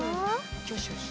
よしよし！